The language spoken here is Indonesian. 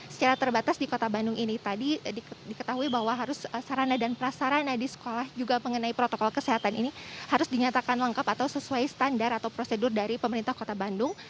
secara terbatas di kota bandung ini tadi diketahui bahwa harus sarana dan prasarana di sekolah juga mengenai protokol kesehatan ini harus dinyatakan lengkap atau sesuai standar atau prosedur dari pemerintah kota bandung